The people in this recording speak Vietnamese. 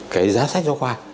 cái giá sách giáo khoa